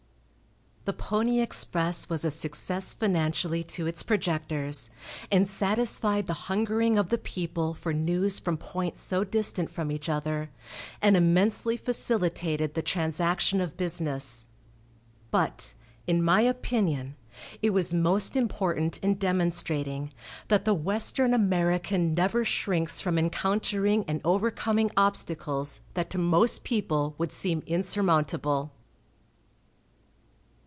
The pony express was a success financially to its projectors, and satisfied the hungering of the people for news from points so distant from each other, and immensely facilitated the transaction of business; but, in my opinion, it was most important in demonstrating that the western American never shrinks from encountering and overcoming obstacles that to most people would seem insurmountable.